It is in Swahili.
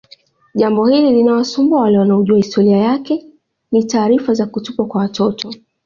Jambo hili linawasumbua wale wanaojua historia yake ni taarifa za kutupwa kwa watoto